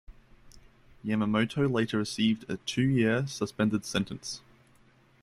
Yamamoto later received a two-year suspended sentence.